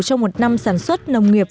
trong một năm sản xuất nông nghiệp